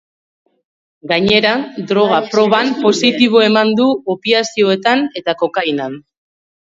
Gainera, droga-proban positibo eman du opiazeotan eta kokainan.